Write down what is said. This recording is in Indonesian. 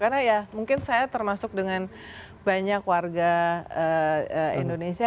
karena ya mungkin saya termasuk dengan banyak warga indonesia